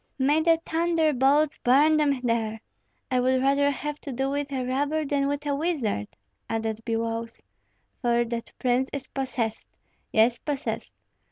"May the thunderbolts burn them there! I would rather have to do with a robber than with a wizard," added Biloüs; "for that prince is possessed, yes, possessed.